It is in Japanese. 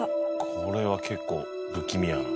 これは結構不気味やな。